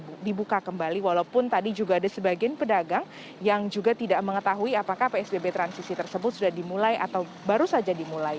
ini dibuka kembali walaupun tadi juga ada sebagian pedagang yang juga tidak mengetahui apakah psbb transisi tersebut sudah dimulai atau baru saja dimulai